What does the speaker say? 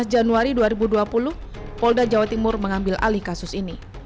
dua belas januari dua ribu dua puluh polda jawa timur mengambil alih kasus ini